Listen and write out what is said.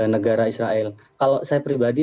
negara israel kalau saya pribadi